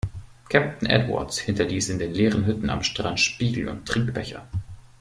Captain Edwards hinterließ in den leeren Hütten am Strand Spiegel und Trinkbecher.